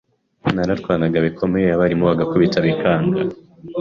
nararwanaga bikomeye, abarimu bagakubita bikanga